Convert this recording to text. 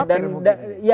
satir mungkin ya